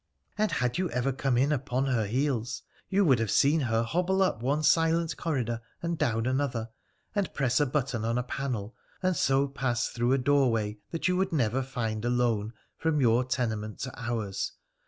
' And had you ever come in upon her heels you would have seen her hobble up one silent corridor and down another, and press a button on a panel, and so pass through a doorway that you would never find alone, from your tenement to ours.